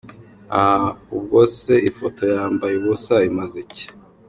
uhhh, ubwose ifoto yambaye ubusa imaze iki?